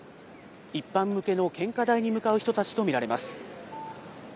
一般向けの献花台に向かう人たちと見られます。